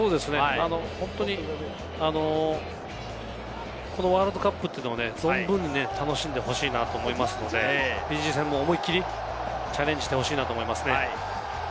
本当にこのワールドカップも存分に楽しんでほしいなと思いますので、フィジー戦も思いっきりチャレンジしてほしいなと思います。